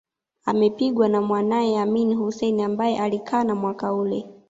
Imepingwa na mwanawe Amin Hussein ambae alikana mwaka ule